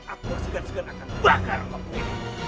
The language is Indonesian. aku akan segera segera akan bakar kamu semua